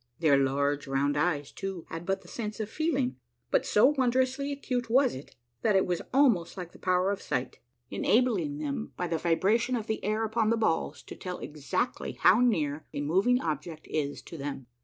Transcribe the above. Their large round eyes, too, had but the sense of feeling, but so won drously acute was it that it was almost like the power of sight, enabling them by the vibration of the air upon the balls to tell exactly how near a moving object is to them.